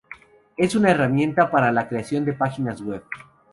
Es una herramienta para la creación de páginas web.